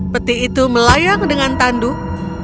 peti itu melayang dengan tanduk